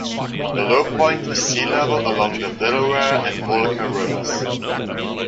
The low point is sea level along the Delaware and Mullica rivers.